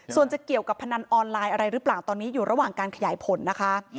ส่วนจะเกี่ยวกับพนันออนไลน์อะไรหรือเปล่าตอนนี้อยู่ระหว่างการขยายผลนะคะ